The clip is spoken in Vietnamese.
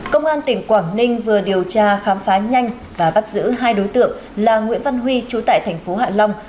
công an tỉnh quảng ninh vừa điều tra khám phá nhanh và bắt giữ hai đối tượng là nguyễn văn huy trú tại thành phố hạ long